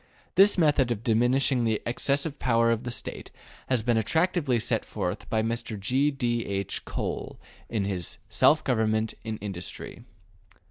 This method of diminishing the excessive power of the State has been attractively set forth by Mr. G. D. H. Cole in his ``Self Government in Industry.''